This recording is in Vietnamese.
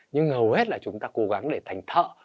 nhưng hầu hết là chúng ta cố gắng để thành thợ